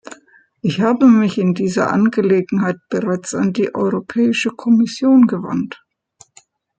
Ich habe mich in dieser Angelegenheit bereits an die Europäische Kommission gewandt.